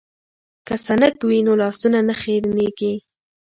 که سنک وي نو لاسونه نه خیرنیږي.